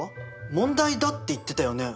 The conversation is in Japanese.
問題だって言ってたよね？